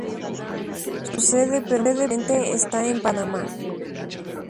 Su sede permanente está en Panamá.